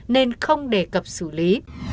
nên không đề cập xử lý